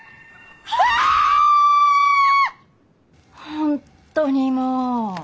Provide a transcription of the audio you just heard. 本当にもう。